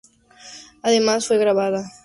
Además fue grabada con un poco de formato sitcom.